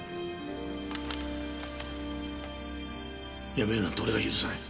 辞めるなんて俺が許さない！